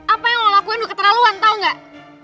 apa yang lo lakuin udah keterlaluan tau gak